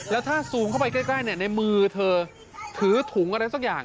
แล้วถ้าซูมเข้าไปใกล้ในมือเธอถือถุงอะไรสักอย่าง